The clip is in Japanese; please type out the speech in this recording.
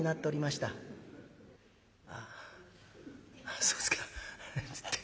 ああそうですか」。